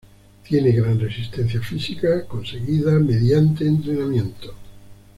Tiene gran resistencia física, conseguida mediante entrenamiento.